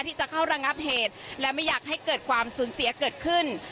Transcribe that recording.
ที่จะเข้าระงับเหตุและไม่อยากให้เกิดความสูญเสียเกิดขึ้น